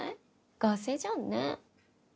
ガセじゃんね。